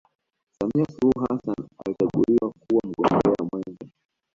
samia suluhu hassan alichaguliwa kuwa mgombea mwenza